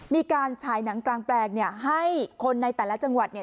ฉายหนังกลางแปลงเนี่ยให้คนในแต่ละจังหวัดเนี่ย